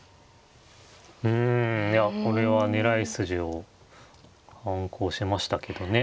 うんいやこれは狙い筋を敢行しましたけどね。